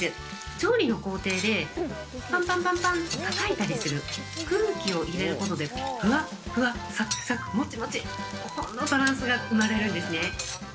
調理の工程で、ぱんぱんぱんってたたいたりする、空気を入れることで、ふわふわ、さくさく、もちもち、そんなバランスが生まれるんですね。